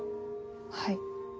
はい。